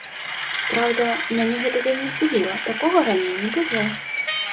Праўда, мяне гэта вельмі здзівіла, такога раней не было.